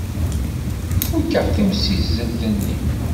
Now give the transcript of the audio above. Fukeɣ timsizzelt-nni.